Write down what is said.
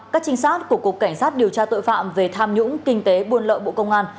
các trinh sát của cục cảnh sát điều tra tội phạm về tham nhũng kinh tế buôn lợi bộ công an